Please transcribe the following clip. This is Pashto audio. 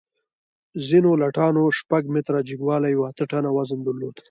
ځینو لټانو شپږ متره جګوالی او اته ټنه وزن درلود.